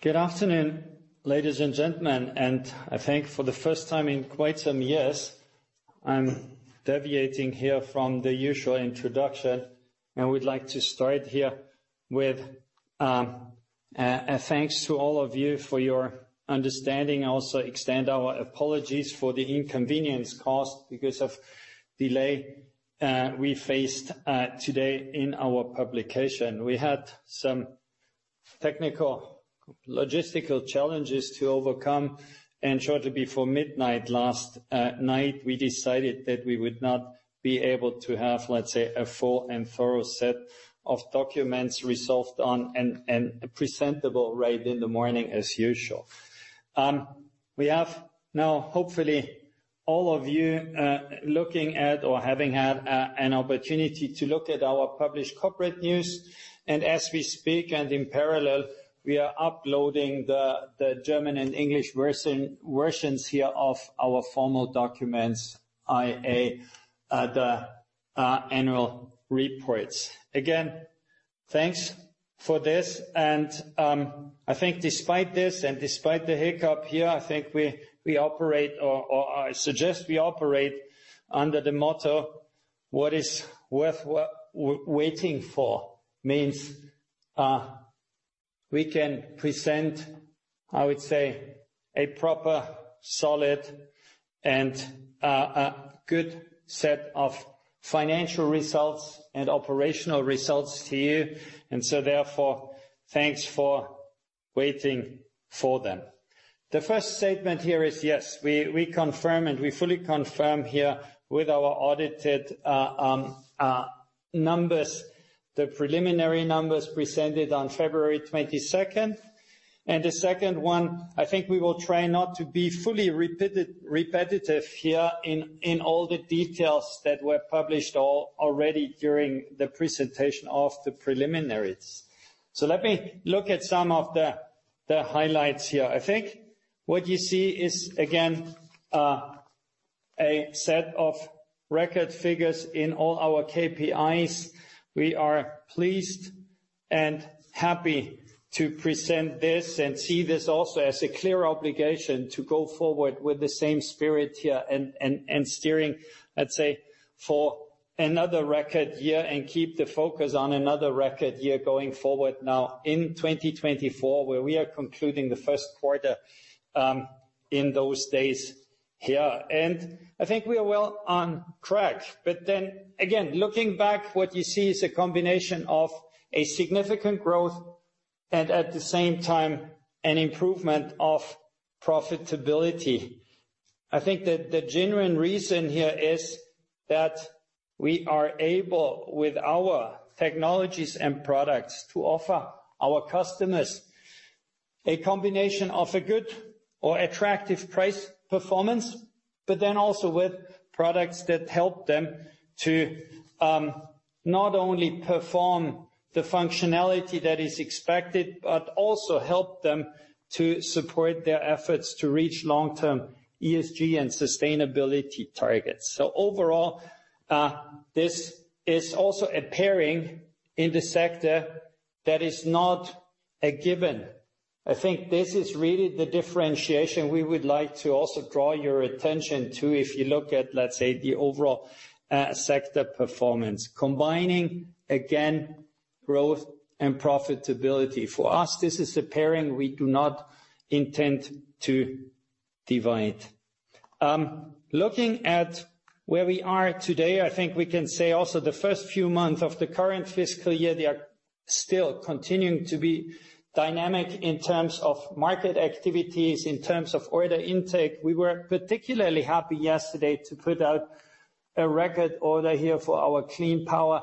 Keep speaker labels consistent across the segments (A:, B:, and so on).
A: Good afternoon, ladies and gentlemen, and I think for the first time in quite some years, I'm deviating here from the usual introduction, and we'd like to start here with a thanks to all of you for your understanding. I also extend our apologies for the inconvenience caused because of delay we faced today in our publication. We had some technical logistical challenges to overcome, and shortly before midnight last night we decided that we would not be able to have, let's say, a full and thorough set of documents resolved on an presentable state in the morning as usual. We have now, hopefully, all of you looking at or having had an opportunity to look at our published corporate news, and as we speak and in parallel, we are uploading the German and English version versions of our formal documents, i.e., the annual reports. Again, thanks for this, and, I think despite this and despite the hiccup here, I think we, we operate or, or I suggest we operate under the motto "What is worth waiting for?" means, we can present, I would say, a proper, solid, and, a good set of financial results and operational results to you, and so therefore, thanks for waiting for them. The first statement here is yes, we, we confirm and we fully confirm here with our audited numbers, the preliminary numbers presented on February 22nd, and the second one, I think we will try not to be fully repetitive here in, in all the details that were published already during the presentation of the preliminaries. So let me look at some of the, the highlights here. I think what you see is, again, a set of record figures in all our KPIs. We are pleased and happy to present this and see this also as a clear obligation to go forward with the same spirit here and steering, let's say, for another record year and keep the focus on another record year going forward now in 2024 where we are concluding the first quarter, in those days here. And I think we are well on track, but then, again, looking back, what you see is a combination of a significant growth and at the same time an improvement of profitability. I think that the genuine reason here is that we are able with our technologies and products to offer our customers a combination of a good or attractive price performance, but then also with products that help them to, not only perform the functionality that is expected but also help them to support their efforts to reach long-term ESG and sustainability targets. So overall, this is also a pairing in the sector that is not a given. I think this is really the differentiation we would like to also draw your attention to if you look at, let's say, the overall, sector performance, combining, again, growth and profitability. For us, this is a pairing we do not intend to divide. Looking at where we are today, I think we can say also the first few months of the current fiscal year, they are still continuing to be dynamic in terms of market activities, in terms of order intake. We were particularly happy yesterday to put out a record order here for our Clean Power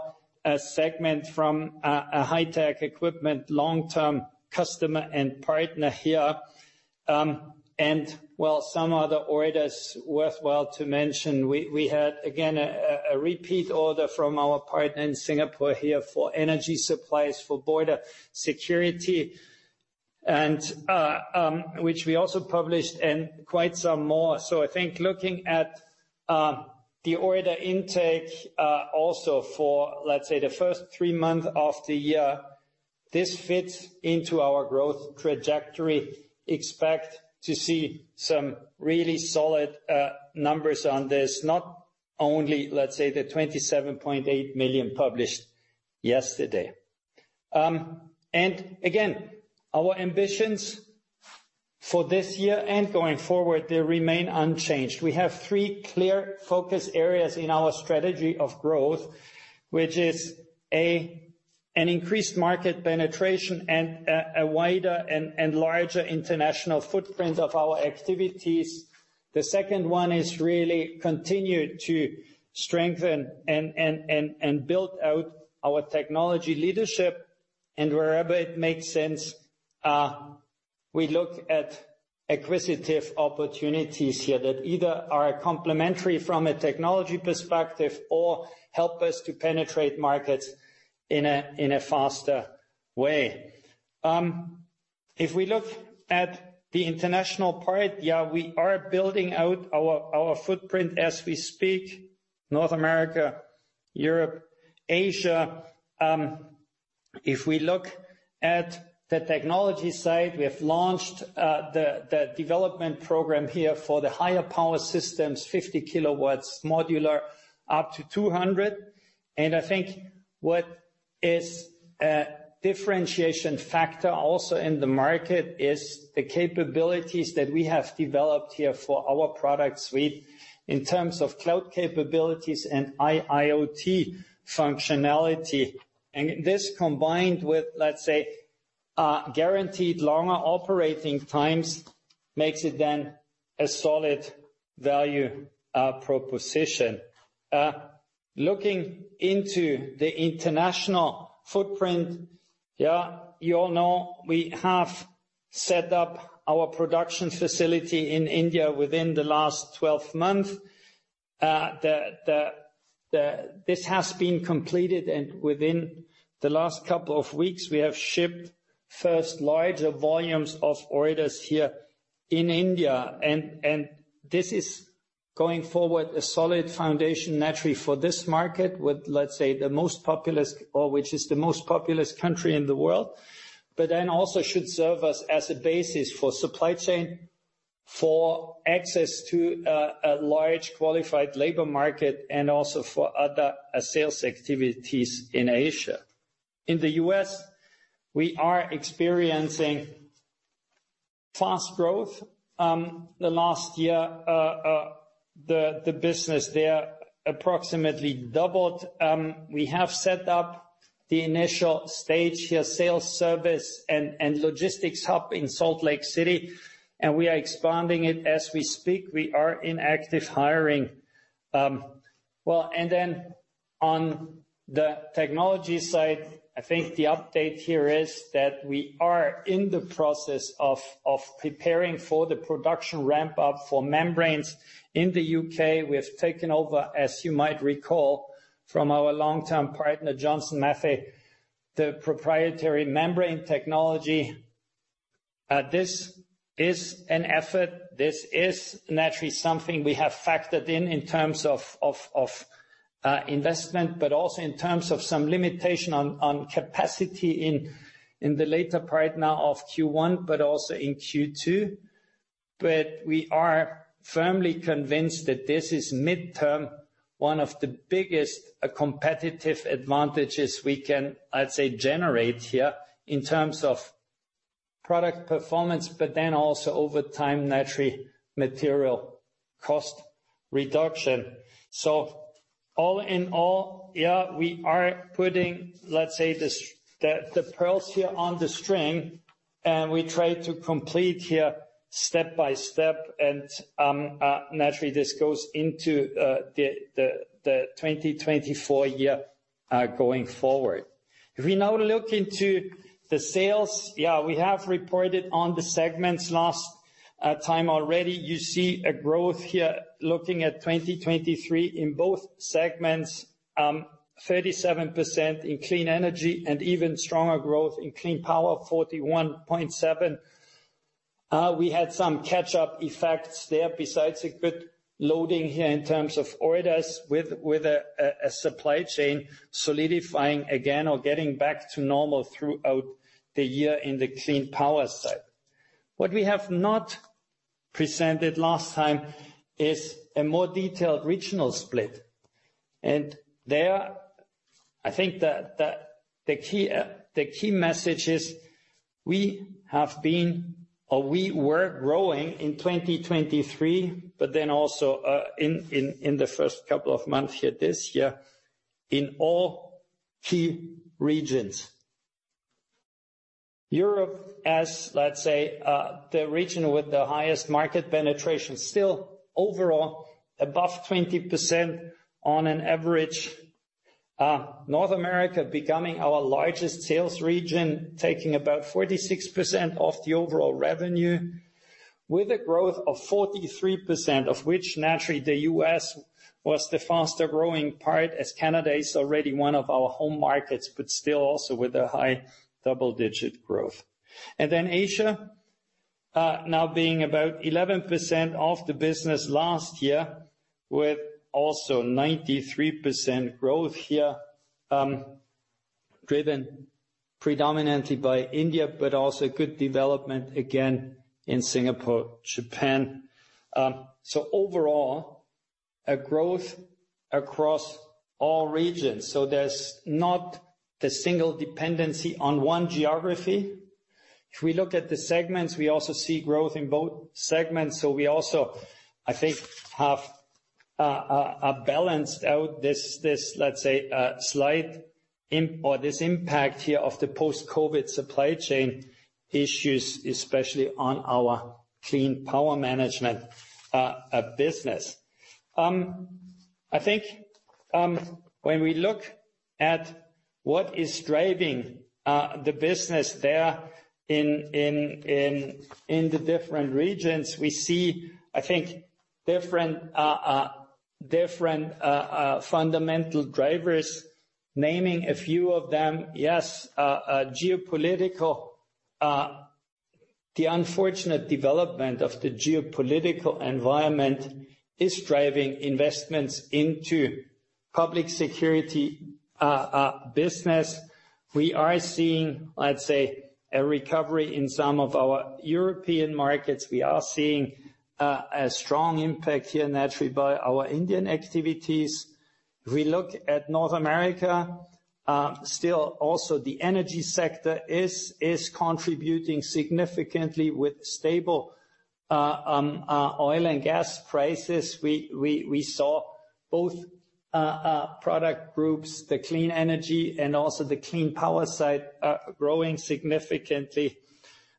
A: segment from a high-tech equipment long-term customer and partner here, and, well, some other orders worthwhile to mention. We had, again, a repeat order from our partner in Singapore here for energy supplies, for border security, and, which we also published, and quite some more. So I think looking at the order intake, also for, let's say, the first three months of the year, this fits into our growth trajectory. Expect to see some really solid numbers on this, not only, let's say, the 27.8 million published yesterday. Again, our ambitions for this year and going forward, they remain unchanged. We have three clear focus areas in our strategy of growth, which is A, an increased market penetration and a wider and larger international footprint of our activities. The second one is really continue to strengthen and build out our technology leadership, and wherever it makes sense, we look at acquisitive opportunities here that either are complementary from a technology perspective or help us to penetrate markets in a faster way. If we look at the international part, yeah, we are building out our footprint as we speak: North America, Europe, Asia. If we look at the technology side, we have launched the development program here for the higher power systems, 50 kW, modular, up to 200 kW. I think what is a differentiation factor also in the market is the capabilities that we have developed here for our product suite in terms of cloud capabilities and IIoT functionality. And this combined with, let's say, guaranteed longer operating times makes it then a solid value proposition. Looking into the international footprint, yeah, you all know we have set up our production facility in India within the last 12 months. This has been completed, and within the last couple of weeks, we have shipped first larger volumes of orders here in India, and this is going forward a solid foundation naturally for this market with, let's say, the most populous or which is the most populous country in the world, but then also should serve us as a basis for supply chain, for access to a large qualified labor market, and also for other sales activities in Asia. In the U.S., we are experiencing fast growth. The last year, the business there approximately doubled. We have set up the initial stage here, sales service and logistics hub in Salt Lake City, and we are expanding it as we speak. We are in active hiring. Well, and then on the technology side, I think the update here is that we are in the process of preparing for the production ramp-up for membranes in the U.K.. We have taken over, as you might recall from our long-term partner, Johnson Matthey, the proprietary membrane technology. This is an effort. This is naturally something we have factored in in terms of investment, but also in terms of some limitation on capacity in the later part now of Q1, but also in Q2. But we are firmly convinced that this is mid-term, one of the biggest competitive advantages we can, let's say, generate here in terms of product performance, but then also over time, naturally, material cost reduction. So all in all, yeah, we are putting, let's say, these the pearls here on the string, and we try to complete here step by step, and naturally this goes into the 2024 year, going forward. If we now look into the sales, yeah, we have reported on the segments last time already. You see a growth here looking at 2023 in both segments, 37% in Clean Energy and even stronger growth in Clean Power, 41.7%. We had some catch-up effects there besides a good loading here in terms of orders with a supply chain solidifying again or getting back to normal throughout the year in the Clean Power side. What we have not presented last time is a more detailed regional split, and there, I think that the key message is we have been or we were growing in 2023, but then also in the first couple of months here this year in all key regions. Europe, let's say, the region with the highest market penetration, still overall above 20% on average, North America becoming our largest sales region, taking about 46% of the overall revenue with a growth of 43% of which naturally the U.S. was the faster growing part as Canada is already one of our home markets, but still also with a high double-digit growth. And then Asia, now being about 11% of the business last year with also 93% growth here, driven predominantly by India, but also good development again in Singapore, Japan. So overall, a growth across all regions. So there's not a single dependency on one geography. If we look at the segments, we also see growth in both segments. So we also, I think, have balanced out this, let's say, slight imbalance or this impact here of the post-COVID supply chain issues, especially on our Clean Power Management business. I think, when we look at what is driving the business there in the different regions, we see, I think, different fundamental drivers, naming a few of them, yes, geopolitical, the unfortunate development of the geopolitical environment is driving investments into public security business. We are seeing, let's say, a recovery in some of our European markets. We are seeing a strong impact here naturally by our Indian activities. If we look at North America, still also the energy sector is contributing significantly with stable oil and gas prices. We saw both product groups, the Clean Energy and also the Clean Power side, growing significantly.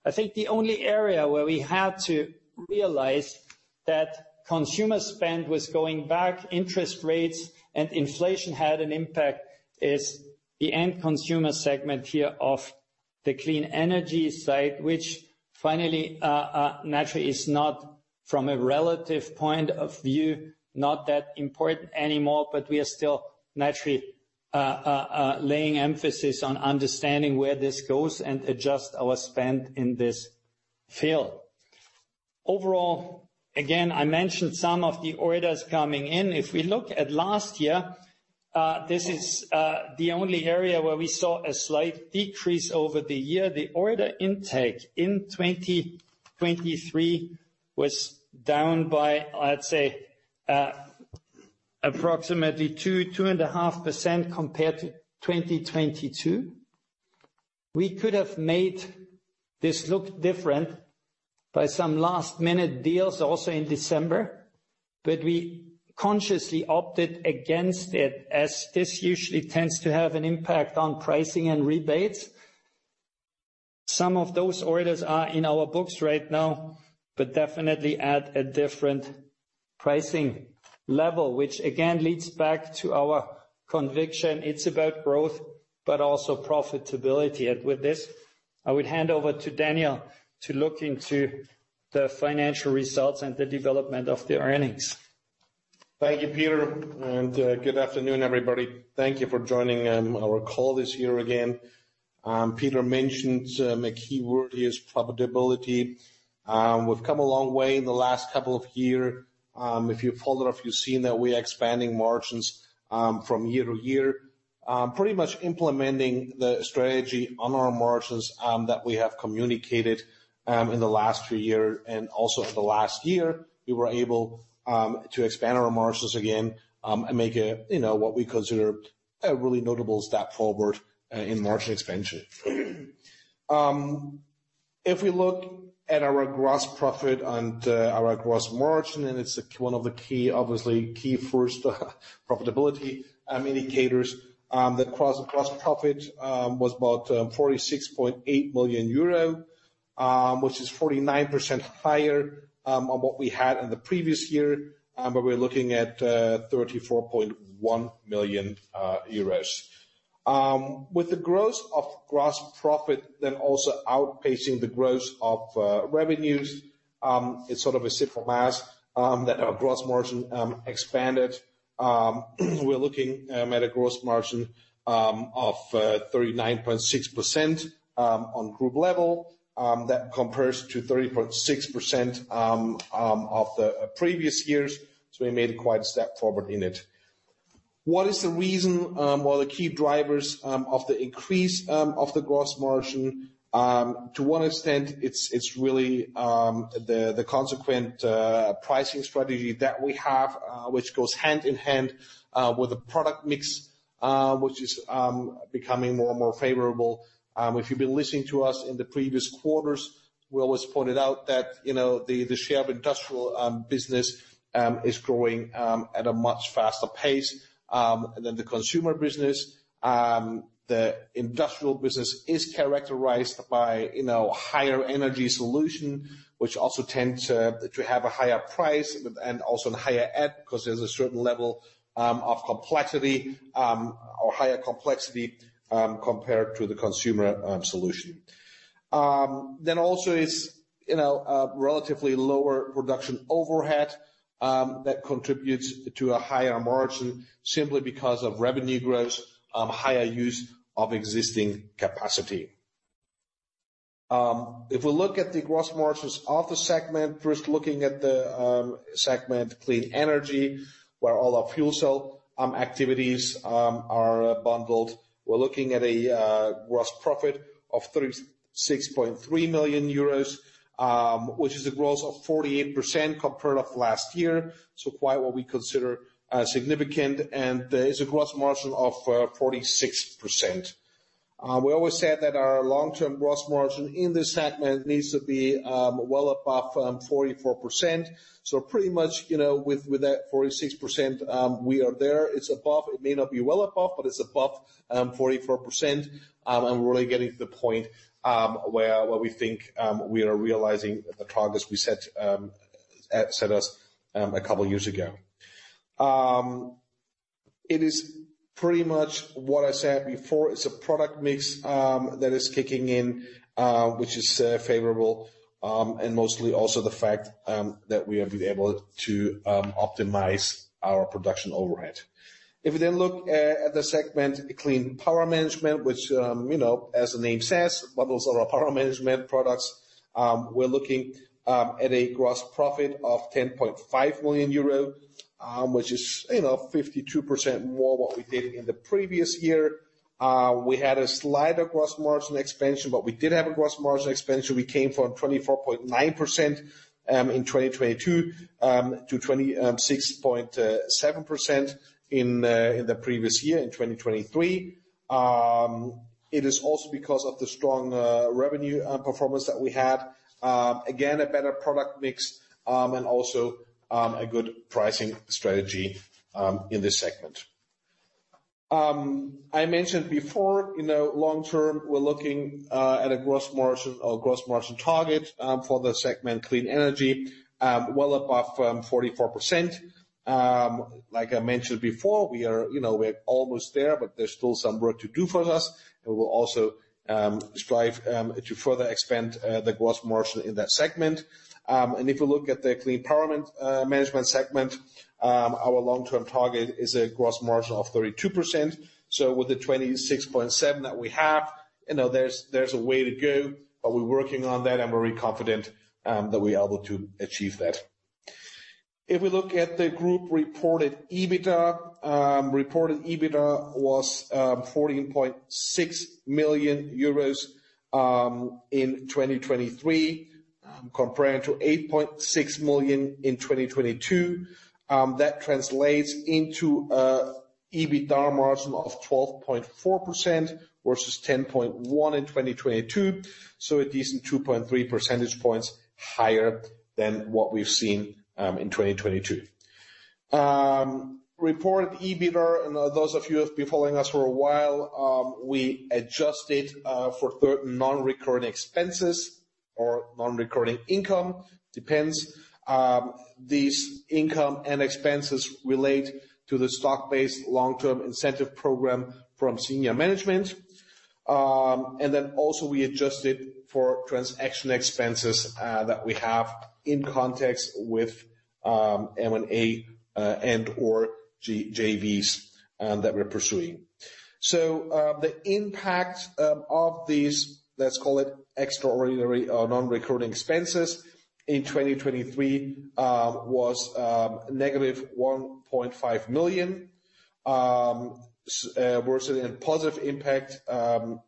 A: I think the only area where we had to realize that consumer spend was going back, interest rates and inflation had an impact is the end consumer segment here of the Clean Energy side, which finally, naturally is not from a relative point of view, not that important anymore, but we are still naturally laying emphasis on understanding where this goes and adjust our spend in this field. Overall, again, I mentioned some of the orders coming in. If we look at last year, this is the only area where we saw a slight decrease over the year. The order intake in 2023 was down by, let's say, approximately 2-2.5% compared to 2022. We could have made this look different by some last-minute deals also in December, but we consciously opted against it as this usually tends to have an impact on pricing and rebates. Some of those orders are in our books right now, but definitely at a different pricing level, which again leads back to our conviction it's about growth, but also profitability. And with this, I would hand over to Daniel to look into the financial results and the development of the earnings. Thank you, Peter, and good afternoon, everybody. Thank you for joining our call this year again. Peter mentioned a key word here is profitability. We've come a long way in the last couple of years. If you followed up, you've seen that we are expanding margins, from year to year, pretty much implementing the strategy on our margins, that we have communicated, in the last few years. Also in the last year, we were able, to expand our margins again, and make a, you know, what we consider a really notable step forward, in margin expansion. If we look at our gross profit and, our gross margin, and it's one of the key, obviously, key first, profitability, indicators, the gross, gross profit, was about, 46.8 million euro, which is 49% higher, on what we had in the previous year, but we're looking at, 34.1 million euros. With the growth of gross profit then also outpacing the growth of, revenues, it's sort of a simple math, that our gross margin, expanded. We're looking at a gross margin of 39.6% on group level, that compares to 30.6% of the previous years. So we made quite a step forward in it. What is the reason, or the key drivers, of the increase, of the gross margin? To one extent, it's really the consequent pricing strategy that we have, which goes hand in hand with the product mix, which is becoming more and more favorable. If you've been listening to us in the previous quarters, we always pointed out that, you know, the share of industrial business is growing at a much faster pace than the consumer business. The industrial business is characterized by, you know, higher energy solution, which also tend to have a higher price and also a higher add because there's a certain level of complexity, or higher complexity, compared to the consumer solution. Then also it's, you know, relatively lower production overhead that contributes to a higher margin simply because of revenue growth, higher use of existing capacity. If we look at the gross margins of the segment, first looking at the segment Clean Energy, where all our fuel cell activities are bundled, we're looking at a gross profit of 36.3 million euros, which is a growth of 48% compared to last year. So quite what we consider significant. And there is a gross margin of 46%. We always said that our long-term gross margin in this segment needs to be well above 44%. So pretty much, you know, with that 46%, we are there. It's above. It may not be well above, but it's above 44%. And we're really getting to the point where we think we are realizing the targets we set us a couple of years ago. It is pretty much what I said before. It's a product mix that is kicking in, which is favorable, and mostly also the fact that we have been able to optimize our production overhead. If we then look at the segment Clean Power Management, which, you know, as the name says, bundles all our power management products, we're looking at a gross profit of 10.5 million euro, which is, you know, 52% more what we did in the previous year. We had a slight gross margin expansion, but we did have a gross margin expansion. We came from 24.9% in 2022 to 26.7% in the previous year, in 2023. It is also because of the strong revenue performance that we had, again, a better product mix, and also a good pricing strategy in this segment. I mentioned before, you know, long-term, we're looking at a gross margin or gross margin target for the segment Clean Energy well above 44%. Like I mentioned before, we are, you know, we're almost there, but there's still some work to do for us. And we'll also strive to further expand the gross margin in that segment. And if we look at the Clean Power Management segment, our long-term target is a gross margin of 32%. So with the 26.7% that we have, you know, there's a way to go, but we're working on that and we're very confident that we're able to achieve that. If we look at the group reported EBITDA, reported EBITDA was 14.6 million euros in 2023, compared to 8.6 million in 2022. That translates into an EBITDA margin of 12.4% versus 10.1% in 2022. So a decent 2.3 percentage points higher than what we've seen in 2022 reported EBITDA, and those of you who have been following us for a while, we adjusted for certain non-recurring expenses or non-recurring income, depends. These income and expenses relate to the stock-based long-term incentive program from senior management. And then also we adjusted for transaction expenses that we have in context with M&A and/or JVs that we're pursuing. So the impact of these, let's call it extraordinary or non-recurring expenses in 2023, was negative 1.5 million versus a positive impact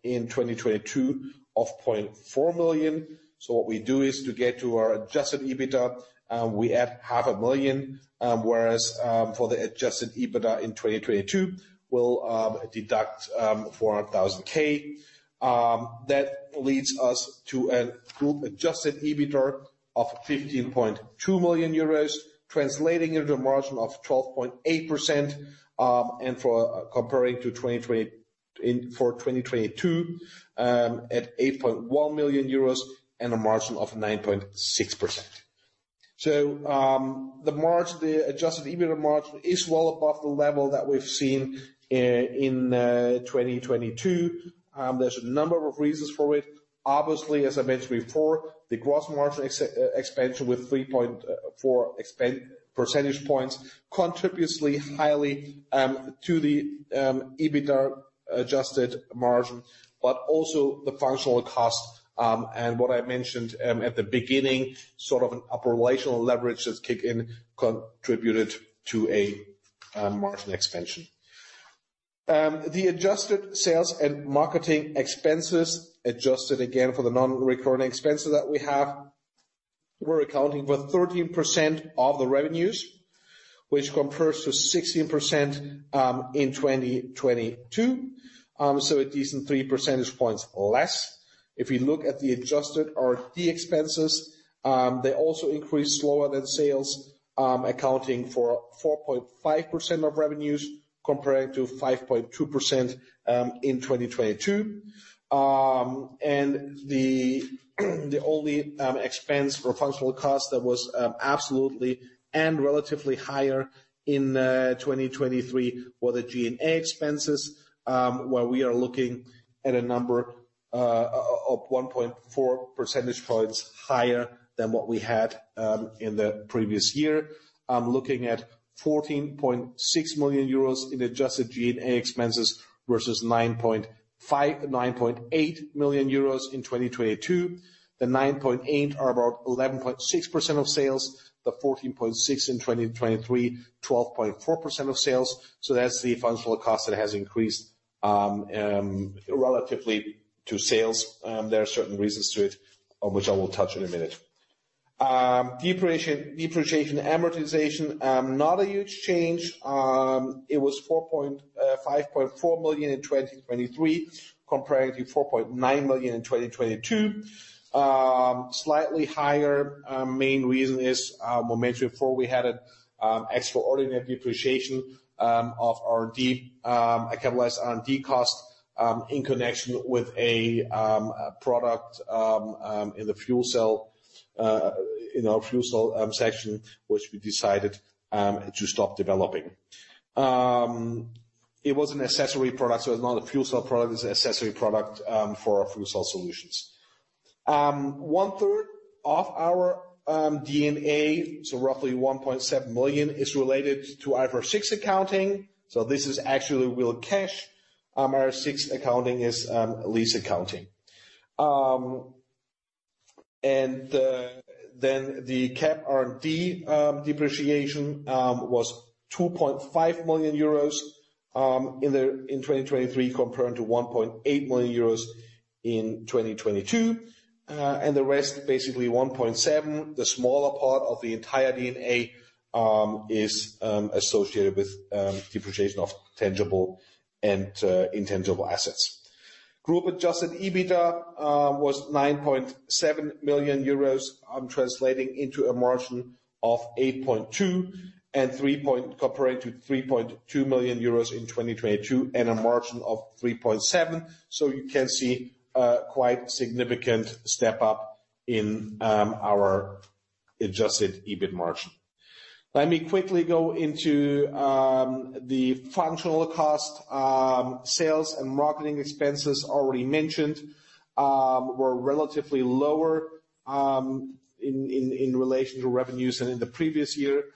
A: in 2022 of 0.4 million. So what we do is to get to our adjusted EBITDA, we add 0.5 million, whereas for the adjusted EBITDA in 2022, we'll deduct 400,000. That leads us to a group adjusted EBITDA of 15.2 million euros, translating into a margin of 12.8%, and for comparing to 2020 in for 2022, at 8.1 million euros and a margin of 9.6%. So, the margin, the adjusted EBITDA margin is well above the level that we've seen in 2022. There's a number of reasons for it. Obviously, as I mentioned before, the gross margin expansion with 3.4 percentage points contributes highly to the EBITDA adjusted margin, but also the functional cost, and what I mentioned at the beginning, sort of an operational leverage that's kicked in contributed to a margin expansion. The adjusted sales and marketing expenses, adjusted again for the non-recurring expenses that we have, we're accounting for 13% of the revenues, which compares to 16% in 2022. So a decent 3 percentage points less. If you look at the adjusted or the expenses, they also increase slower than sales, accounting for 4.5% of revenues compared to 5.2% in 2022. The only expense or functional cost that was absolutely and relatively higher in 2023 were the G&A expenses, where we are looking at a number of 1.4 percentage points higher than what we had in the previous year. I'm looking at 14.6 million euros in adjusted G&A expenses versus 9.8 million euros in 2022. The 9.8% are about 11.6% of sales, the 14.6% in 2023 12.4% of sales. So that's the functional cost that has increased relatively to sales. There are certain reasons to it on which I will touch in a minute. Depreciation amortization, not a huge change. It was 5.4 million in 2023 compared to 4.9 million in 2022. Slightly higher, main reason is, we mentioned before we had an extraordinary depreciation of R&D, capitalized R&D cost, in connection with a product in the fuel cell, you know, fuel cell section, which we decided to stop developing. It was an accessory product. So it's not a fuel cell product. It's an accessory product for our fuel cell solutions. One third of our EBITDA, so roughly 1.7 million, is related to IFRS 16 accounting. So this is actually real cash. Our IFRS 16 accounting is lease accounting. And then the capitalized R&D depreciation was 2.5 million euros in 2023 compared to 1.8 million euros in 2022. And the rest, basically 1.7%, the smaller part of the entire EBITDA, is associated with depreciation of tangible and intangible assets. Group adjusted EBITDA was 9.7 million euros, I'm translating into a margin of 8.2% and 3-point, comparing to 3.2 million euros in 2022 and a margin of 3.7%. So you can see, quite significant step up in our adjusted EBIT margin. Let me quickly go into the functional cost, sales and marketing expenses already mentioned were relatively lower in relation to revenues and in the previous year,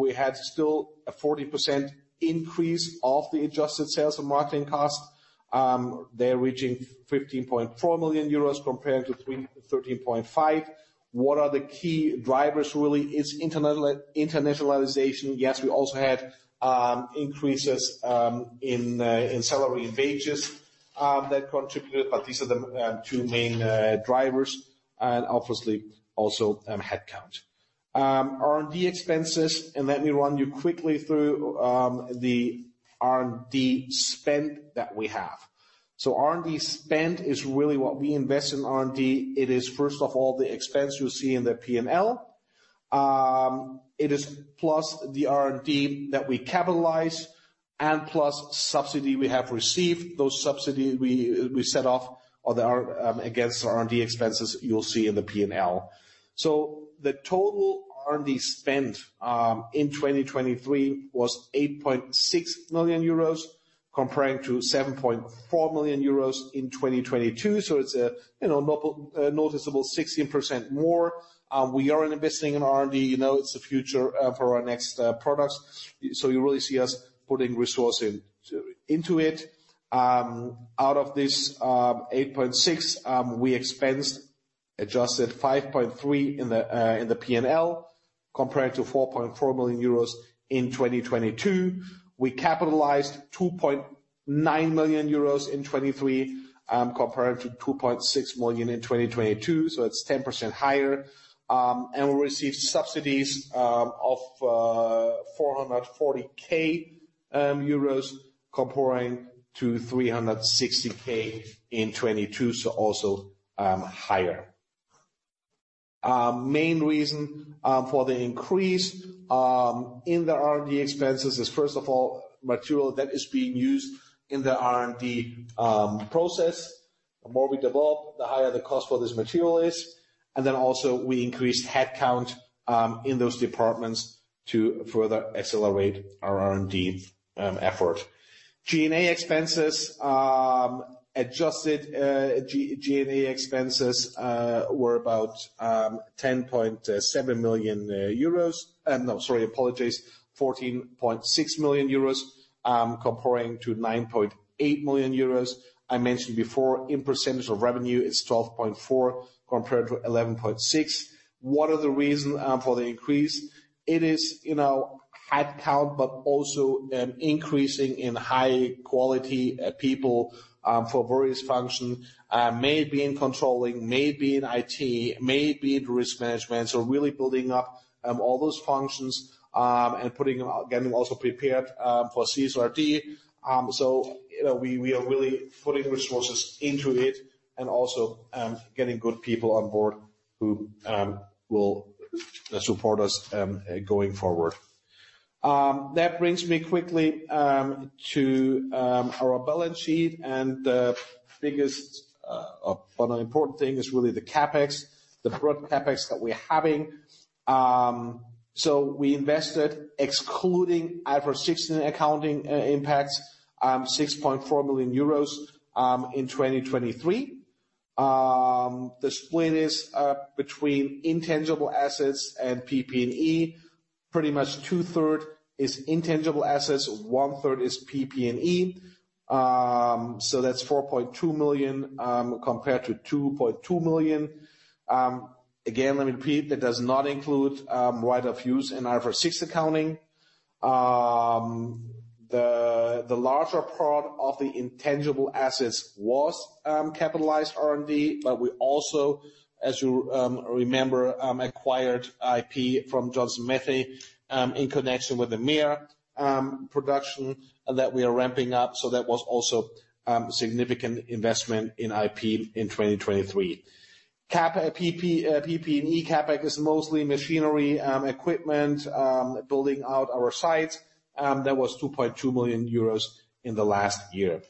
A: we had still a 40% increase of the adjusted sales and marketing cost. They're reaching 15.4 million euros compared to 13.5 million. What are the key drivers really? It's internationalization. Yes, we also had increases in salary and wages that contributed, but these are the two main drivers and obviously also headcount. R&D expenses, and let me run you quickly through the R&D spend that we have. So R&D spend is really what we invest in R&D. It is first of all the expense you see in the P&L. It is plus the R&D that we capitalize and plus subsidies we have received. Those subsidies we, we set off or they are, against R&D expenses you'll see in the P&L. So the total R&D spend, in 2023 was 8.6 million euros comparing to 7.4 million euros in 2022. So it's a, you know, noticeable 16% more. We are investing in R&D. You know, it's the future, for our next, products. So you really see us putting resources into, into it. Out of this 8.6 million, we expensed 5.3 million in the, in the P&L compared to 4.4 million euros in 2022. We capitalized 2.9 million euros in 2023, compared to 2.6 million in 2022. So it's 10% higher. And we received subsidies, of, 440,000 euros comparing to 360,000 in 2022. So also, higher. Main reason for the increase in the R&D expenses is first of all material that is being used in the R&D process. The more we develop, the higher the cost for this material is. And then also we increased headcount in those departments to further accelerate our R&D effort. Adjusted G&A expenses were about 10.7 million euros. No, sorry, apologies, 14.6 million euros, comparing to 9.8 million euros. I mentioned before in percentage of revenue it's 12.4% compared to 11.6%. What are the reason for the increase? It is, you know, headcount, but also increasing in high quality people for various functions, maybe in controlling, maybe in IT, maybe in risk management. So really building up all those functions, and putting them, getting also prepared for CSRD. So, you know, we are really putting resources into it and also getting good people on board who will support us going forward. That brings me quickly to our balance sheet, and the biggest or an important thing is really the Capex, the gross Capex that we're having. So we invested, excluding IFRS 16 and accounting impacts, 6.4 million euros in 2023. The split is between intangible assets and PP&E. Pretty much two-thirds is intangible assets, one-third is PP&E. So that's 4.2 million compared to 2.2 million. Again, let me repeat, that does not include right-of-use in IFRS 16 accounting. The larger part of the intangible assets was capitalized R&D, but we also, as you remember, acquired IP from Johnson Matthey in connection with the MEA production that we are ramping up. So that was also significant investment in IP in 2023. CaPex, PP&E capex is mostly machinery, equipment, building out our sites. That was 2.2 million euros in the last year.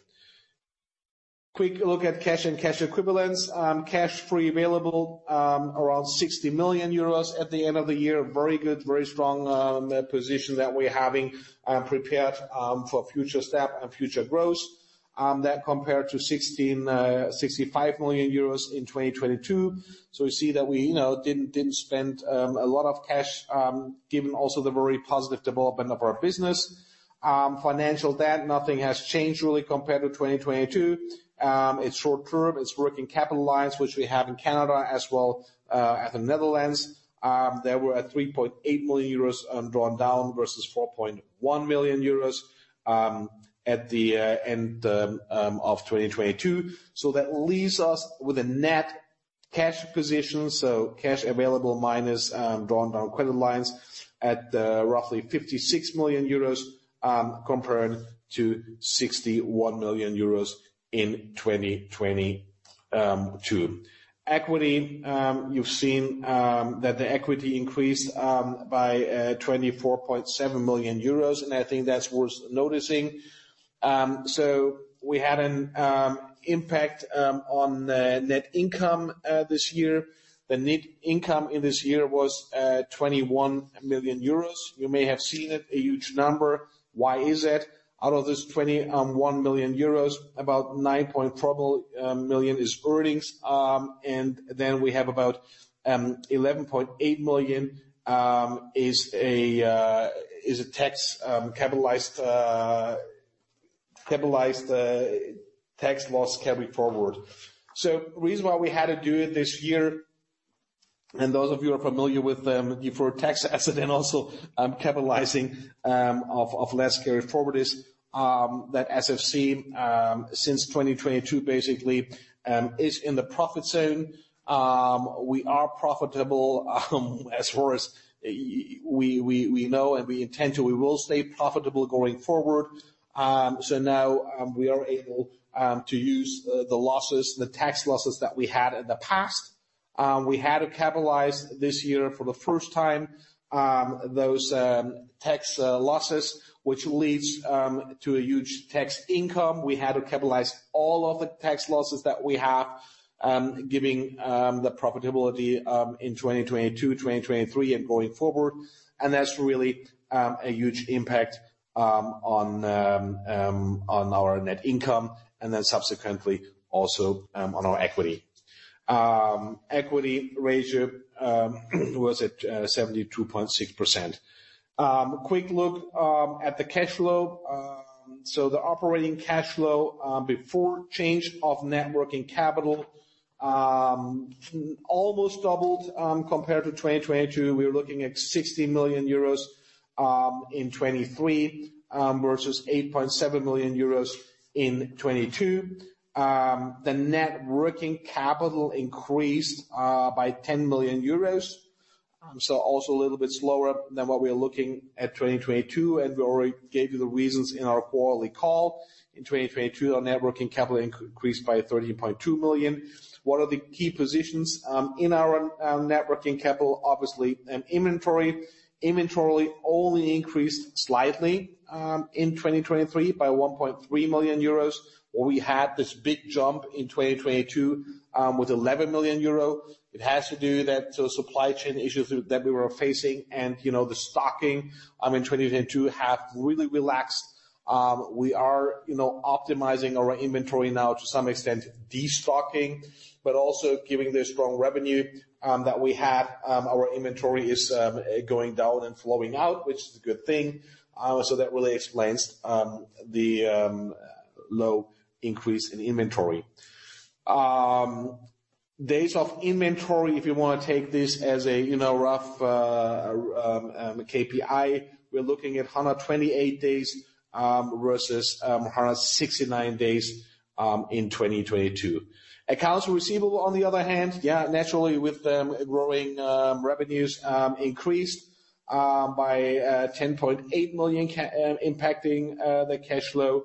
A: Quick look at cash and cash equivalents. Cash free available, around 60 million euros at the end of the year. Very good, very strong position that we're having, prepared for future step and future growth. That compared to 65 million euros in 2022. So you see that we, you know, didn't spend a lot of cash, given also the very positive development of our business. Financial debt, nothing has changed really compared to 2022. It's short term. It's working capital lines, which we have in Canada as well, in the Netherlands. There were 3.8 million euros drawn down versus 4.1 million euros at the end of 2022. So that leaves us with a net cash position. So cash available minus drawn down credit lines at roughly 56 million euros, compared to 61 million euros in 2022. Equity, you've seen, that the equity increased by 24.7 million euros. And I think that's worth noticing. So we had an impact on net income this year. The net income this year was 21 million euros. You may have seen it, a huge number. Why is that? Out of this 21 million euros, about 9.4 million is earnings. And then we have about 11.8 million, which is a capitalized tax loss carry forward. So the reason why we had to do it this year, and those of you who are familiar with the deferred tax asset and also capitalizing of tax loss carry forward, is that SFC since 2022 basically is in the profit zone. We are profitable, as far as we know, and we intend to stay profitable going forward. So now we are able to use the losses, the tax losses that we had in the past. We had to capitalize this year for the first time those tax losses, which leads to a huge tax income. We had to capitalize all of the tax losses that we have, given the profitability in 2022, 2023, and going forward. And that's really a huge impact on our net income and then subsequently also on our equity. Equity ratio was at 72.6%. Quick look at the cash flow. So the operating cash flow before change of net working capital almost doubled compared to 2022. We were looking at 60 million euros in 2023 versus 8.7 million euros in 2022. The net working capital increased by 10 million euros. So also a little bit slower than what we are looking at 2022. We already gave you the reasons in our quarterly call. In 2022, our net working capital increased by 13.2 million. What are the key positions in our net working capital? Obviously, inventory. Inventory only increased slightly in 2023 by 1.3 million euros. Or we had this big jump in 2022 with 11 million euro. It has to do with that, so supply chain issues that we were facing and, you know, the stocking in 2022 have really relaxed. We are, you know, optimizing our inventory now to some extent, destocking, but also given the strong revenue that we have. Our inventory is going down and flowing out, which is a good thing. So that really explains the low increase in inventory. Days of inventory, if you want to take this as a, you know, rough KPI, we're looking at 128 days versus 169 days in 2022. Accounts receivable on the other hand, yeah, naturally with growing revenues, increased by 10.8 million, impacting the cash flow.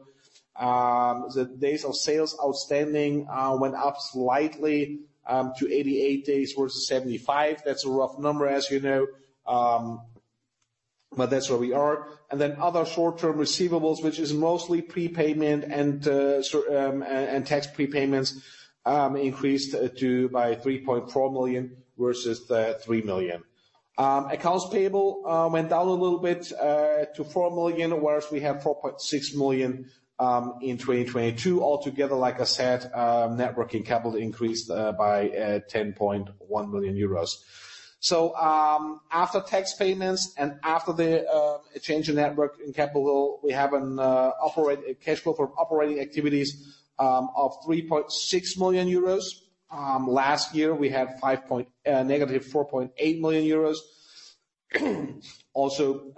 A: The days of sales outstanding went up slightly to 88 days versus 75. That's a rough number, as you know. But that's where we are. And then other short-term receivables, which is mostly prepayment and tax prepayments, increased by 3.4 million versus 3 million. Accounts payable went down a little bit to 4 million, whereas we have 4.6 million in 2022. Altogether, like I said, net working capital increased by 10.1 million euros. So, after tax payments and after the change in net working capital, we have an operating cash flow from operating activities of 3.6 million euros. Last year we had 5.0 million, negative 4.8 million euros. Also,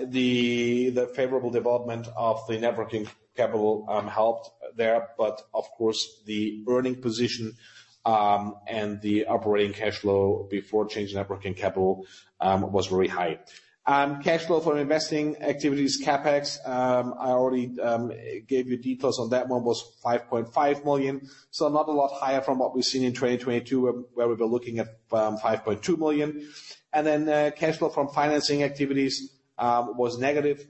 A: the favorable development of the working capital helped there, but of course the earnings position, and the operating cash flow before change in working capital, was very high. Cash flow from investing activities, CapEx, I already gave you details on that one was 5.5 million. So not a lot higher from what we've seen in 2022, where we were looking at 5.2 million. And then, cash flow from financing activities was negative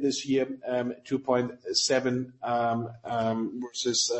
A: this year, 2.7 million, versus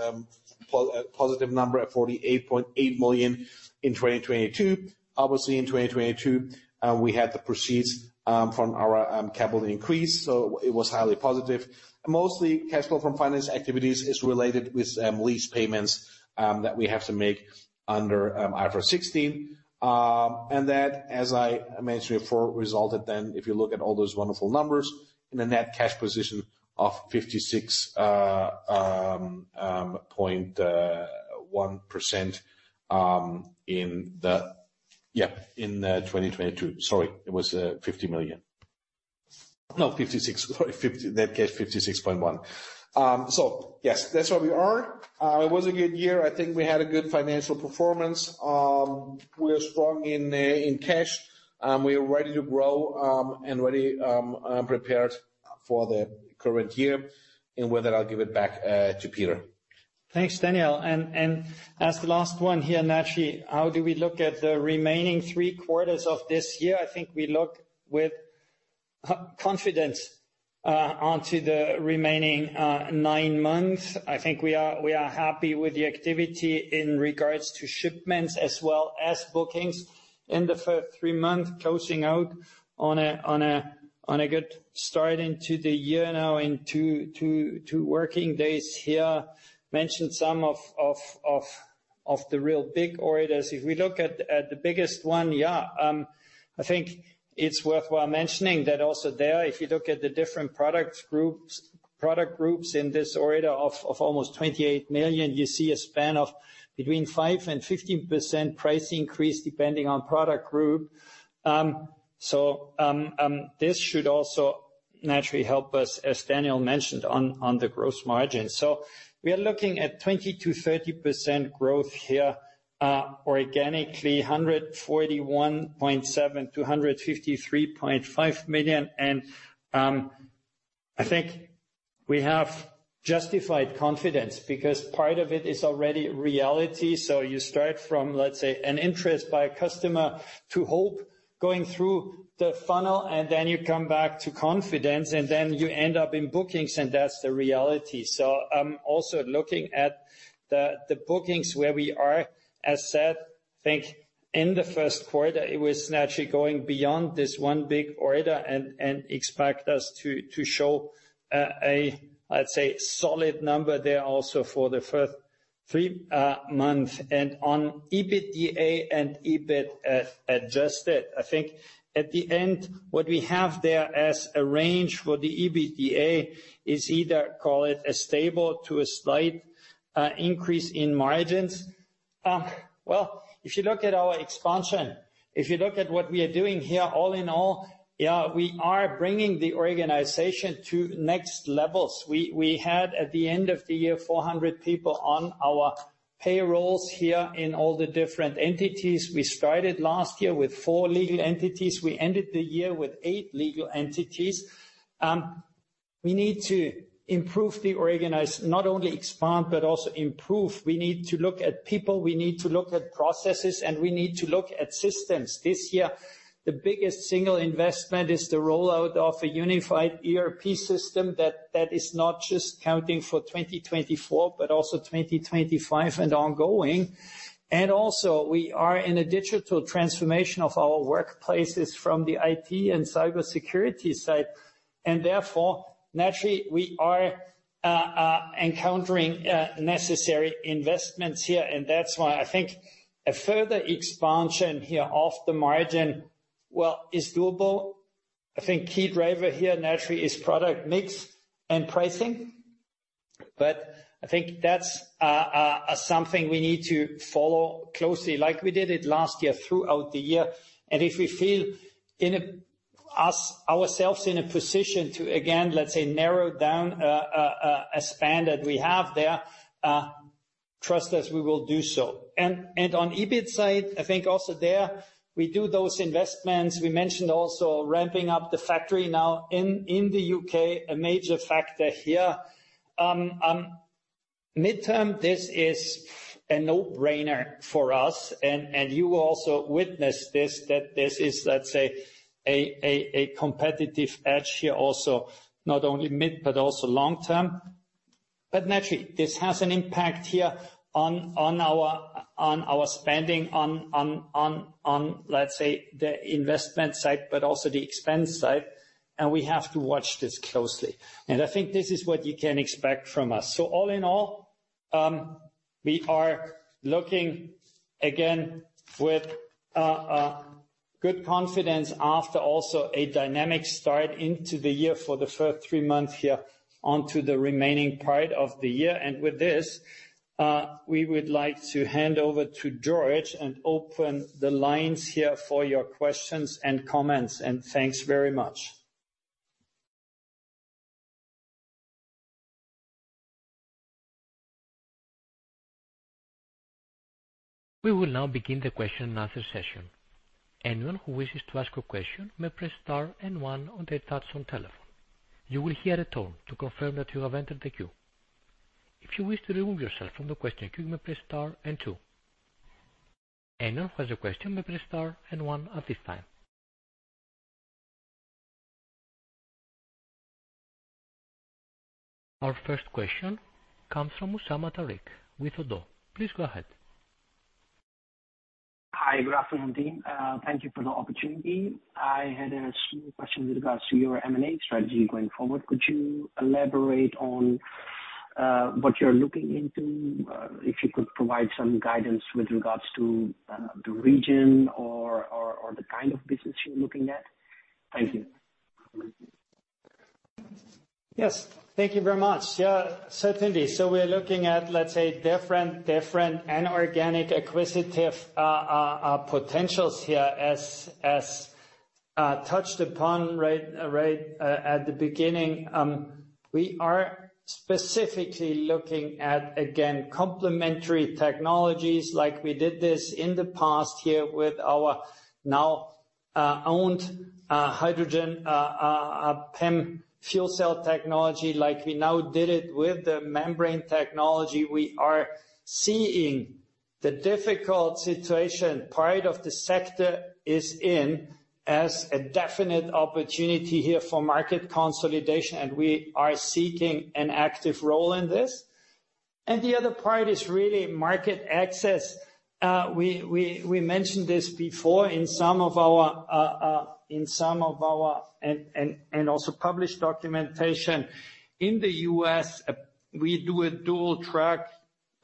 A: positive number at 48.8 million in 2022. Obviously in 2022, we had the proceeds from our capital increase. So it was highly positive. Mostly cash flow from financing activities is related to lease payments that we have to make under IFRS 16. and that, as I mentioned before, resulted then, if you look at all those wonderful numbers, in a net cash position of 56.1 million in 2022. Sorry, it was 50 million. No, 56. Sorry, 50, net cash 56.1 million. So yes, that's where we are. It was a good year. I think we had a good financial performance. We are strong in cash. We are ready to grow, and ready, prepared for the current year. And with that, I'll give it back to Peter.
B: Thanks, Daniel. And as the last one here, naturally, how do we look at the remaining three quarters of this year? I think we look with confidence onto the remaining nine months. I think we are happy with the activity in regards to shipments as well as bookings in the first three months closing out on a good start into the year now in two working days here. Mentioned some of the real big orders. If we look at the biggest one, yeah, I think it's worthwhile mentioning that also there, if you look at the different product groups in this order of almost 28 million, you see a span of between 5%-15% price increase depending on product group. So, this should also naturally help us, as Daniel mentioned, on the gross margin. So we are looking at 20%-30% growth here, organically, 141.7 million-153.5 million. And, I think we have justified confidence because part of it is already reality. So you start from, let's say, an interest by a customer to hope going through the funnel and then you come back to confidence and then you end up in bookings and that's the reality. So, also looking at the bookings where we are, as said, I think in the first quarter it was naturally going beyond this one big order and expect us to show a, let's say, solid number there also for the first three months. And on EBITDA and EBIT, adjusted, I think at the end what we have there as a range for the EBITDA is either call it a stable to a slight increase in margins. Well, if you look at our expansion, if you look at what we are doing here, all in all, yeah, we are bringing the organization to next levels. We had at the end of the year 400 people on our payrolls here in all the different entities. We started last year with four legal entities. We ended the year with eight legal entities. We need to improve the organization, not only expand, but also improve. We need to look at people. We need to look at processes and we need to look at systems. This year, the biggest single investment is the rollout of a unified ERP system that is not just counting for 2024, but also 2025 and ongoing. And also we are in a digital transformation of our workplaces from the IT and cybersecurity side. And therefore, naturally we are encountering necessary investments here. And that's why I think a further expansion here of the margin, well, is doable. I think key driver here naturally is product mix and pricing. But I think that's something we need to follow closely like we did it last year throughout the year. And if we feel ourselves in a position to again, let's say, narrow down a span that we have there, trust us, we will do so. And on EBIT side, I think also there we do those investments. We mentioned also ramping up the factory now in the U.K., a major factor here. Mid-term, this is a no-brainer for us. And you will also witness this, that this is, let's say, a competitive edge here also, not only mid-term, but also long term. But naturally this has an impact here on our spending, on, let's say, the investment side, but also the expense side. And we have to watch this closely. I think this is what you can expect from us. So all in all, we are looking again with good confidence after also a dynamic start into the year for the first three months here onto the remaining part of the year. With this, we would like to hand over to George and open the lines here for your questions and comments. Thanks very much.
C: We will now begin the question and answer session. Anyone who wishes to ask a question may press star and one on their touchscreen on the telephone. You will hear a tone to confirm that you have entered the queue. If you wish to remove yourself from the question queue, you may press star and two. Anyone who has a question may press star and one at this time. Our first question comes from Usama Tariq with ODDO. Please go ahead.
D: Hi, good afternoon, Dean. Thank you for the opportunity. I had a small question with regards to your M&A strategy going forward. Could you elaborate on what you're looking into, if you could provide some guidance with regards to the region or the kind of business you're looking at? Thank you.
B: Yes. Thank you very much. Yeah, so Tindy, so we're looking at, let's say, different and organic acquisitive potentials here as touched upon right at the beginning. We are specifically looking at, again, complementary technologies like we did this in the past here with our now owned hydrogen PEM fuel cell technology like we now did it with the membrane technology. We are seeing the difficult situation part of the sector is in as a definite opportunity here for market consolidation and we are seeking an active role in this. And the other part is really market access. We mentioned this before in some of our and also published documentation in the U.S.. We do a dual track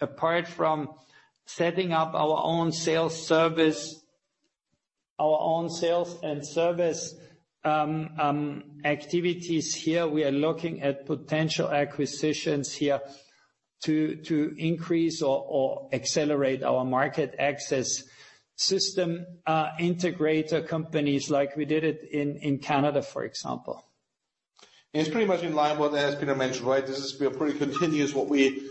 B: apart from setting up our own sales service, our own sales and service activities here. We are looking at potential acquisitions here to increase or accelerate our market access system integrator companies like we did it in Canada, for example.
A: It's pretty much in line with what Peter mentioned, right? We are pretty consistent, what we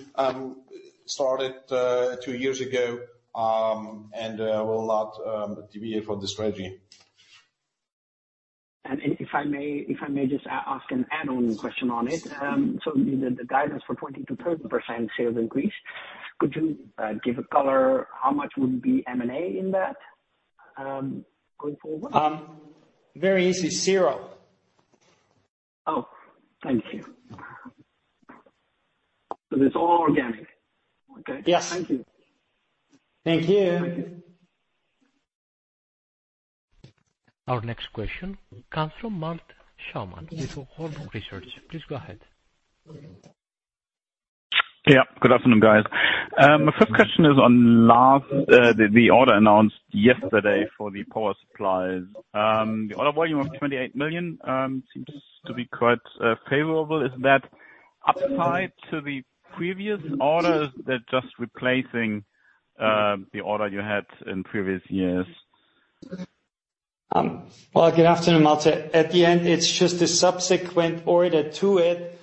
A: started two years ago, and will not deviate from the strategy.
D: If I may, if I may just ask an add-on question on it. So the guidance for 22% sales increase, could you give a color how much would be M&A in that, going forward?
B: Very easy. Zero.
D: Oh, thank you.
A: It's all organic. Okay.
B: Yes.
D: Thank you.
B: Thank you.
D: Thank you.
C: Our next question comes from Malte Schaumann with Warburg Research. Please go ahead.
E: Yeah. Good afternoon, guys. My first question is on the order announced yesterday for the power supplies. The order volume of 28 million seems to be quite favorable. Is that upside to the previous order? Is that just replacing the order you had in previous years?
B: Well, good afternoon, Malte. At the end, it's just a subsequent order to it.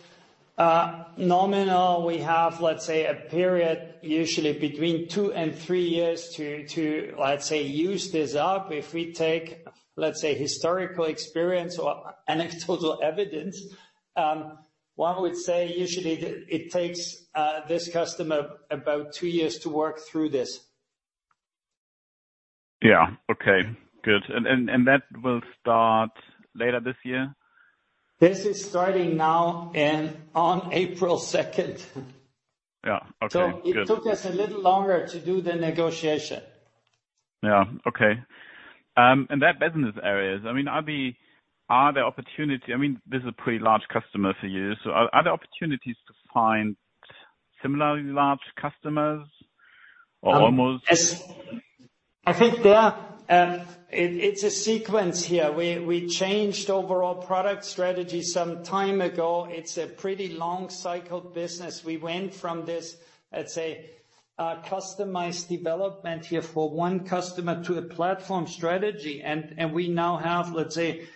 B: Nominally, we have, let's say, a period usually between two and three years to, let's say, use this up. If we take, let's say, historical experience or anecdotal evidence, one would say usually it takes this customer about two years to work through this.
E: Yeah. Okay. Good. And that will start later this year?
B: This is starting now and on April 2nd.
E: Yeah. Okay. Good.
B: It took us a little longer to do the negotiation.
E: Yeah. Okay. That business areas, I mean, are there opportunity? I mean, this is a pretty large customer for you. So are there opportunities to find similarly large customers or almost?
B: As I think there, it's a sequence here. We changed overall product strategy some time ago. It's a pretty long cycle business. We went from this, let's say, customized development here for one customer to a platform strategy. And we now have, let's say,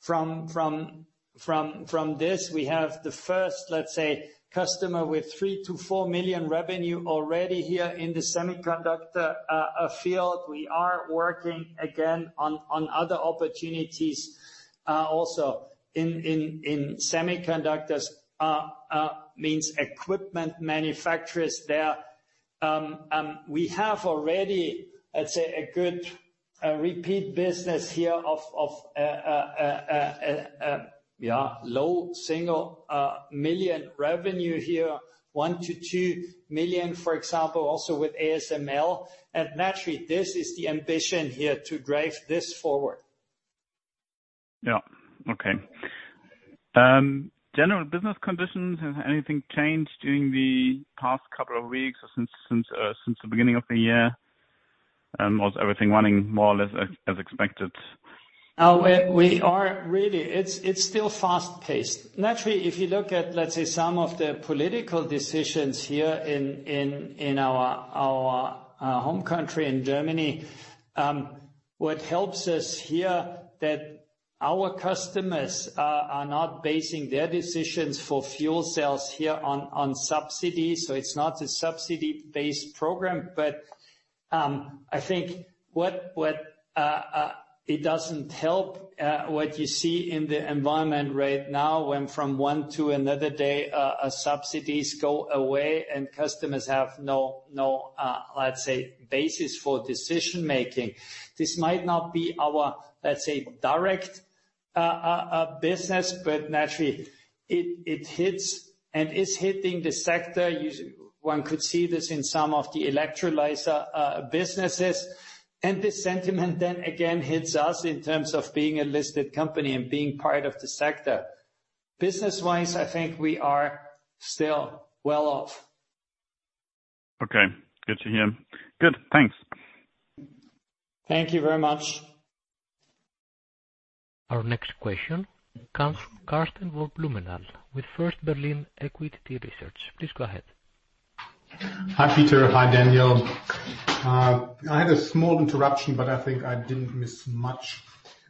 B: from this, we have the first, let's say, customer with 3-4 million revenue already here in the semiconductor field. We are working again on other opportunities, also in semiconductors, means equipment manufacturers there. We have already, let's say, a good repeat business here of, yeah, low single million revenue here, 1-2 million, for example, also with ASML. And naturally this is the ambition here to drive this forward.
E: Yeah. Okay. General business conditions, has anything changed during the past couple of weeks or since the beginning of the year? Was everything running more or less as expected?
B: We are really. It's still fast-paced. Naturally, if you look at, let's say, some of the political decisions here in our home country in Germany, what helps us here that our customers are not basing their decisions for fuel cells here on subsidies. So it's not a subsidy-based program. But I think what it doesn't help, what you see in the environment right now when from one to another day, subsidies go away and customers have no let's say, basis for decision-making. This might not be our let's say, direct business, but naturally it hits and is hitting the sector. One could see this in some of the electrolyzer businesses. And this sentiment then again hits us in terms of being a listed company and being part of the sector. Business-wise, I think we are still well off.
E: Okay. Good to hear. Good. Thanks.
B: Thank you very much.
C: Our next question comes from Karsten von Blumenthal with First Berlin Equity Research. Please go ahead.
F: Hi Peter. Hi Daniel. I had a small interruption, but I think I didn't miss much.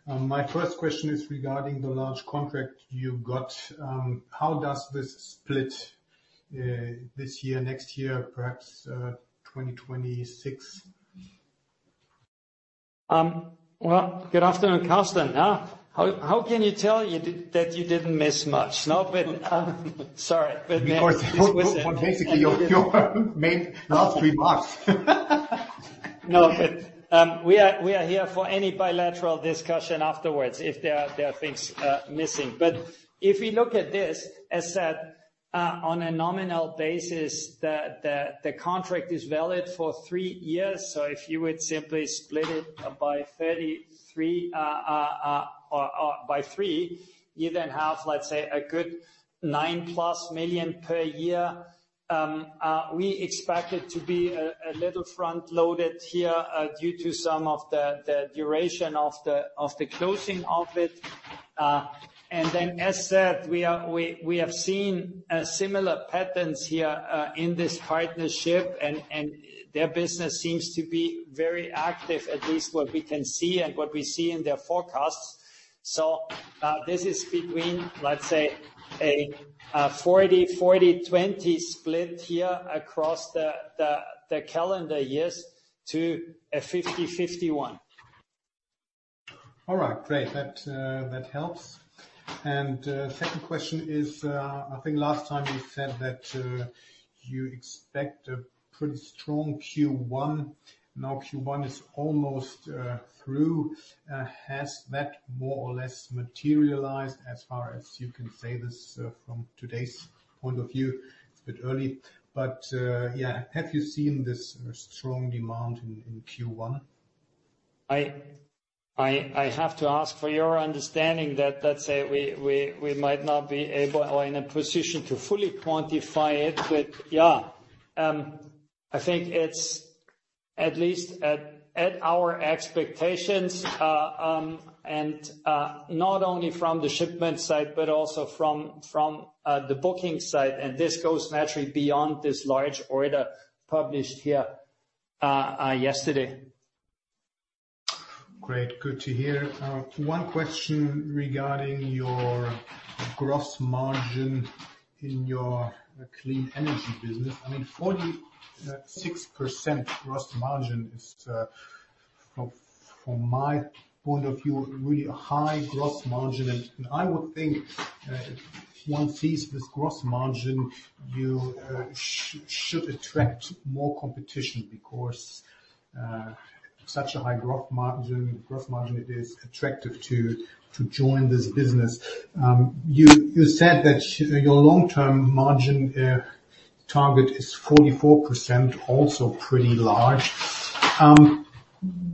F: My first question is regarding the large contract you got. How does this split, this year, next year, perhaps, 2026?
B: Well, good afternoon, Karsten. How can you tell you did that you didn't miss much? No, but, sorry, but maybe quiz it.
A: Because it was basically your main last remarks.
B: No, but we are here for any bilateral discussion afterwards if there are things missing. But if we look at this, as said, on a nominal basis, the contract is valid for 3 years. So if you would simply split it by 33 or by three, you then have, let's say, a good 9+ million per year. We expect it to be a little front-loaded here, due to some of the duration of the closing of it. And then as said, we have seen a similar pattern here in this partnership, and their business seems to be very active, at least what we can see and what we see in their forecasts. So this is between, let's say, a 40-40-20 split here across the calendar years to a 50-51.
F: All right. Great. That, that helps. Second question is, I think last time you said that you expect a pretty strong Q1. Now Q1 is almost through. Has that more or less materialized as far as you can say, from today's point of view? It's a bit early. But yeah, have you seen this strong demand in Q1?
B: I have to ask for your understanding that, let's say, we might not be able or in a position to fully quantify it, but yeah. I think it's at least at our expectations, and not only from the shipment side, but also from the booking side. And this goes naturally beyond this large order published here, yesterday.
F: Great. Good to hear. One question regarding your gross margin in your Clean Energy business. I mean, 46% gross margin is, from, from my point of view, really a high gross margin. And, and I would think, if one sees this gross margin, you should attract more competition because, such a high gross margin, gross margin, it is attractive to, to join this business. You, you said that your long-term margin target is 44%, also pretty large.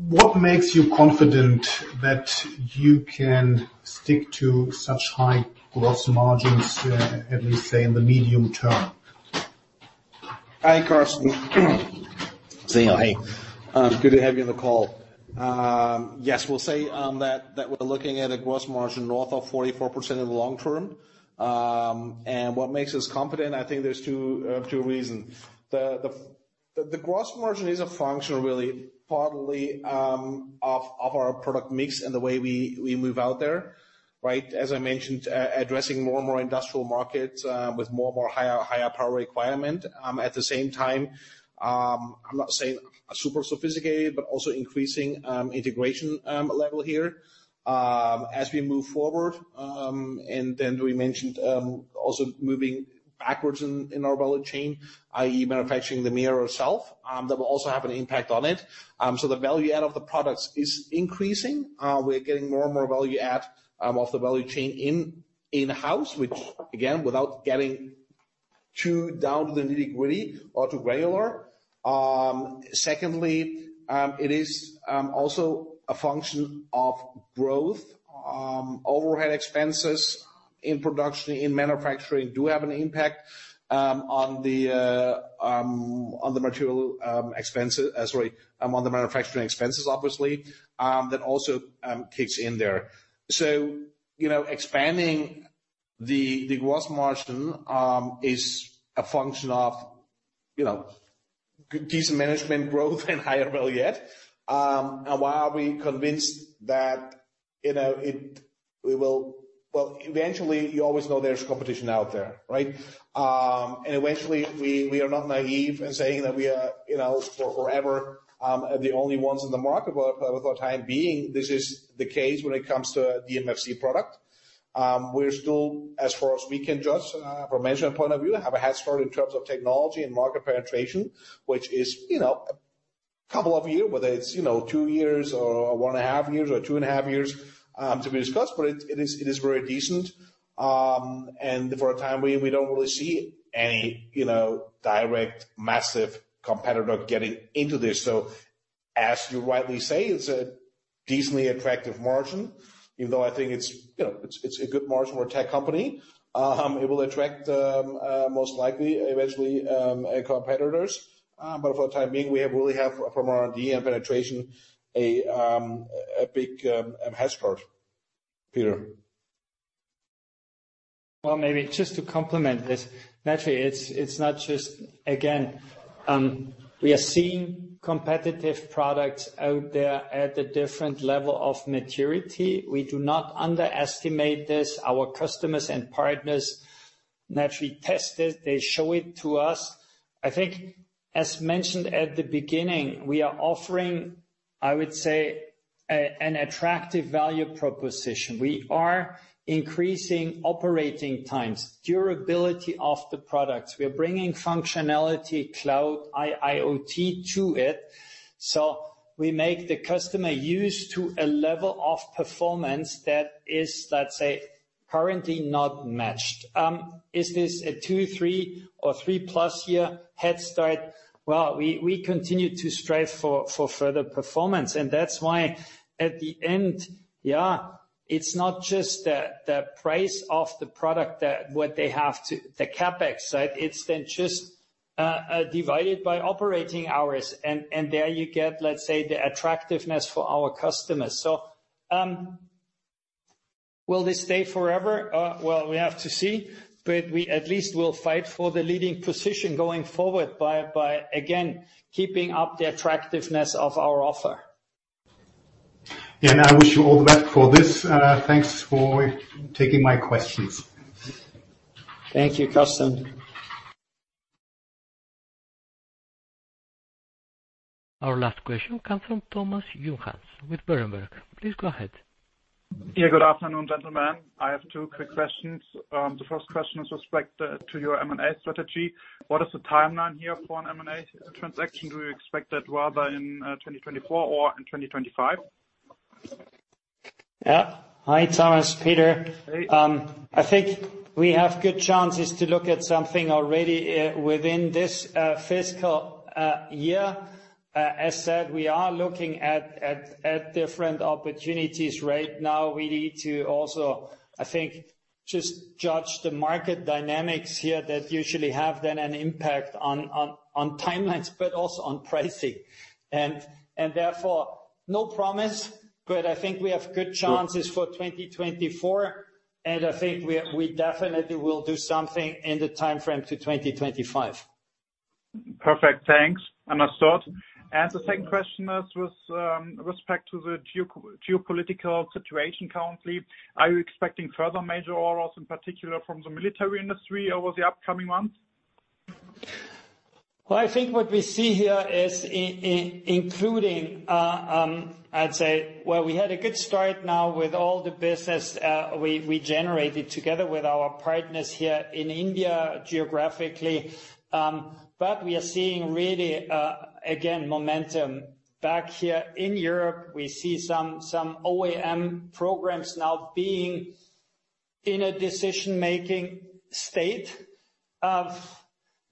F: What makes you confident that you can stick to such high gross margins, at least, say, in the medium term?
A: Hi Karsten.
F: Daniel, hey.
A: Good to have you on the call. Yes, we'll say that we're looking at a gross margin north of 44% in the long term. And what makes us confident, I think there are two reasons. The gross margin is a function, really, partly, of our product mix and the way we move out there, right? As I mentioned, addressing more and more industrial markets, with more and more higher power requirement. At the same time, I'm not saying super sophisticated, but also increasing integration level here, as we move forward. And then we mentioned, also moving backwards in our value chain, i.e., manufacturing the MEA itself, that will also have an impact on it. So the value add of the products is increasing. We're getting more and more value add of the value chain in-house, which, again, without getting too down to the nitty-gritty or too granular. Secondly, it is also a function of growth. Overhead expenses in production, in manufacturing do have an impact on the material expenses—sorry, on the manufacturing expenses, obviously, that also kicks in there. So, you know, expanding the gross margin is a function of, you know, decent management growth and higher value add. And while we're convinced that, you know, it we will well, eventually you always know there's competition out there, right? And eventually we are not naive in saying that we are, you know, for forever, the only ones in the market. But for the time being, this is the case when it comes to a DMFC product. We're still, as far as we can judge, from management point of view, have a head start in terms of technology and market penetration, which is, you know, a couple of years, whether it's, you know, 2 years or, or 1.5 years or 2.5 years, to be discussed. But it, it is, it is very decent. And for the time being, we don't really see any, you know, direct massive competitor getting into this. So as you rightly say, it's a decently attractive margin, even though I think it's, you know, it's, it's a good margin for a tech company. It will attract, most likely eventually, competitors. But for the time being, we have really have from our DM penetration a, a big head start, Peter.
B: Well, maybe just to complement this, naturally it's, it's not just again, we are seeing competitive products out there at a different level of maturity. We do not underestimate this. Our customers and partners naturally test it. They show it to us. I think, as mentioned at the beginning, we are offering, I would say, a, an attractive value proposition. We are increasing operating times, durability of the products. We are bringing functionality, cloud, IoT to it. So we make the customer used to a level of performance that is, let's say, currently not matched. Is this a 2, 3, or 3+ year head start? Well, we, we continue to strive for, for further performance. And that's why at the end, yeah, it's not just the, the price of the product that what they have to the CapEx, right? It's then just, divided by operating hours. And there you get, let's say, the attractiveness for our customers. So, will this stay forever? Well, we have to see. But we at least will fight for the leading position going forward by, again, keeping up the attractiveness of our offer.
F: Yeah. I wish you all the best for this. Thanks for taking my questions.
B: Thank you, Karsten.
C: Our last question comes from Thomas Junghanns with Berenberg. Please go ahead.
G: Yeah. Good afternoon, gentlemen. I have two quick questions. The first question is respective to your M&A strategy. What is the timeline here for an M&A transaction? Do you expect that rather in 2024 or in 2025?
B: Yeah. Hi, Thomas, Peter.
G: Hey.
B: I think we have good chances to look at something already within this fiscal year. As said, we are looking at different opportunities right now. We need to also, I think, just judge the market dynamics here that usually have then an impact on timelines, but also on pricing. And therefore, no promise, but I think we have good chances for 2024. And I think we definitely will do something in the timeframe to 2025.
G: Perfect. Thanks, understood. The second question is with respect to the geopolitical situation currently, are you expecting further major orders in particular from the military industry over the upcoming months?
B: Well, I think what we see here is including, I'd say, well, we had a good start now with all the business we generated together with our partners here in India geographically. But we are seeing really, again, momentum back here in Europe. We see some OEM programs now being in a decision-making state.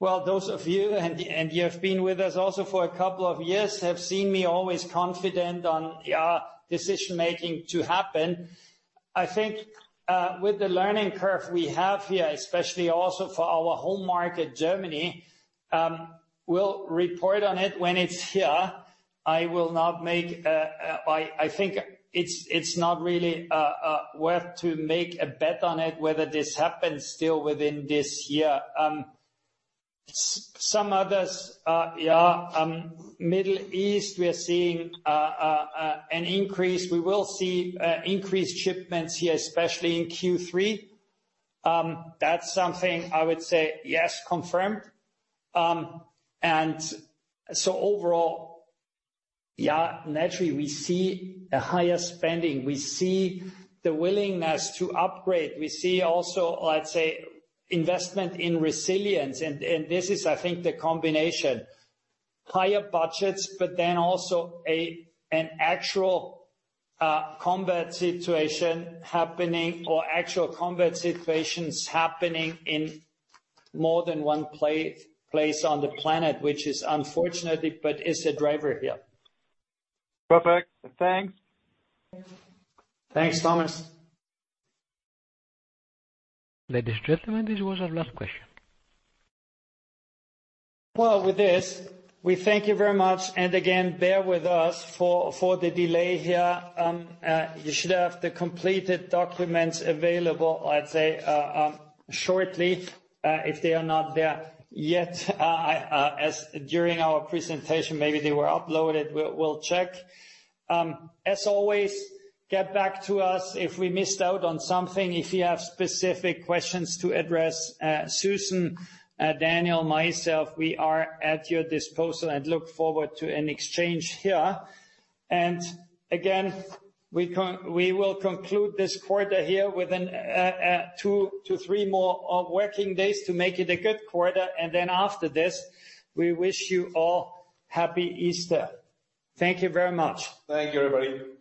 B: Well, those of you and you have been with us also for a couple of years have seen me always confident on, yeah, decision-making to happen. I think, with the learning curve we have here, especially also for our home market, Germany, we'll report on it when it's here. I will not make a bet. I think it's not really worth to make a bet on it whether this happens still within this year. Some others, yeah, Middle East, we are seeing an increase. We will see increased shipments here, especially in Q3. That's something I would say, yes, confirmed. And so overall, yeah, naturally we see higher spending. We see the willingness to upgrade. We see also, let's say, investment in resilience. And this is, I think, the combination: higher budgets, but then also an actual combat situation happening or actual combat situations happening in more than one place, place on the planet, which is unfortunately, but is a driver here.
G: Perfect. Thanks.
B: Thanks, Thomas.
C: Ladies and gentlemen, this was our last question.
B: Well, with this, we thank you very much. And again, bear with us for the delay here. You should have the completed documents available, I'd say, shortly, if they are not there yet. As during our presentation, maybe they were uploaded. We'll check. As always, get back to us if we missed out on something. If you have specific questions to address, Susan, Daniel, myself, we are at your disposal and look forward to an exchange here. And again, we will conclude this quarter here within two or three more working days to make it a good quarter. And then after this, we wish you all Happy Easter. Thank you very much.
A: Thank you, everybody.